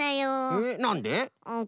えっなんで？